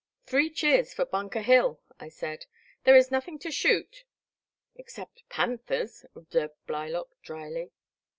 '' Three cheers for Bunker Hill, '' I said, '* there is nothing to shoot " "Except — ^panthers," observed Blylock dryly.